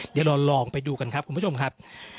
เดี๋ยวเราลองไปดูกันครับคุณผู้ชมครับ